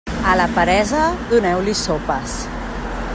A la peresa, doneu-li sopes.